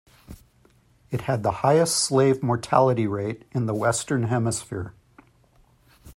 It had the highest slave mortality rate in the western hemisphere.